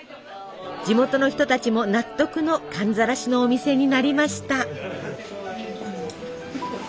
地元の人たちも納得の寒ざらしのお店になりました。